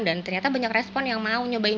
dan ternyata banyak respon yang mau nyobain